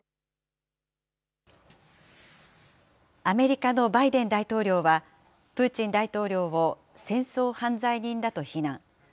アメリカのバイデン大統領は、プーチン大統領を戦争犯罪人だと非難。